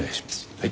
はい。